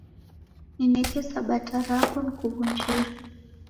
Nineke sabata rako nikuw'unjira.